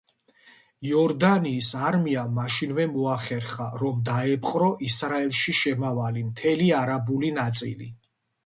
იორდანიის არმიამ მაშინვე მოახერხა, რომ დაეპყრო ისრაელში შემავალი მთელი არაბული ნაწილი.